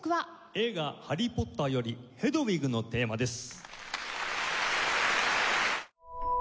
映画『ハリー・ポッター』より『ヘドウィグのテーマ』です。